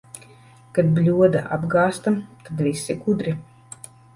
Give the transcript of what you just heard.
Kad bļoda apgāzta, tad visi gudri.